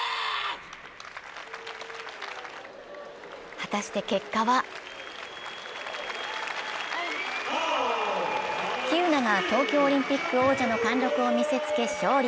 果たして結果は喜友名が東京オリンピック王者の貫禄を見せつけ勝利。